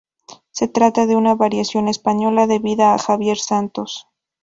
Se trata de una variación española debida a Javier Santos.